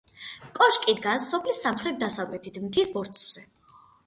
კოშკი დგას სოფლის სამხრეთ-დასავლეთით მთის ბორცვზე.